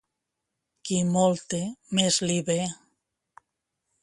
Qui molt té, més li ve.